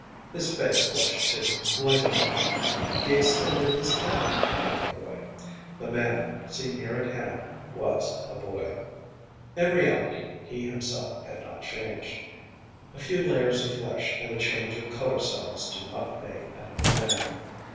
His face flushed, too, like a boy. He extended his hand like a boy. The man, seen near at hand, was a boy. In reality he himself had not changed. A few layers of flesh and a change of color cells do not make another man.